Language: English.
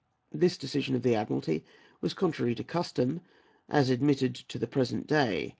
This decision of the Admiralty was contrary to custom, as admitted to the present day.